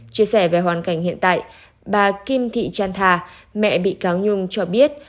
chia sẻ về hoàn cảnh hiện tại bà kim thị chan thà mẹ bị cáo nhung cho biết